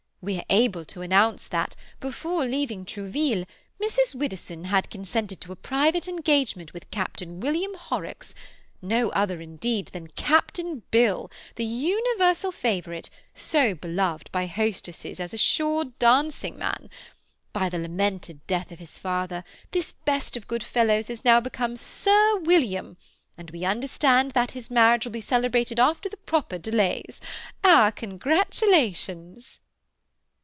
We are able to announce that, before leaving Trouville, Mrs. Widdowson had consented to a private engagement with Capt. William Horrocks—no other, indeed, than "Captain Bill," the universal favourite, so beloved by hostesses as a sure dancing man. By the lamented death of his father, this best of good fellows has now become Sir William, and we understand that his marriage will be celebrated after the proper delays. Our congratulations!"